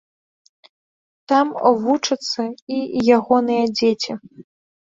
Там вучацца і ягоныя дзеці.